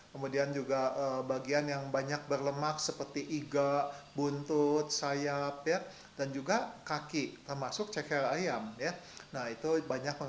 kemudian juga bagian yang banyak berlemak seperti iga buntut sayap